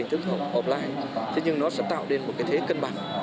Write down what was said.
đức học online thế nhưng nó sẽ tạo nên một cái thế cân bằng